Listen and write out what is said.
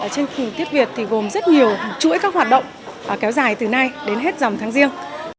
chương trình tết việt thì gồm rất nhiều chuỗi các hoạt động kéo dài từ nay đến hết dòng tháng riêng